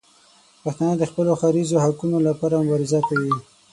پښتانه د خپلو ښاریزو حقونو لپاره مبارزه کوي.